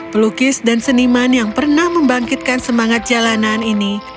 pelukis dan seniman yang pernah membangkitkan semangat jalanan ini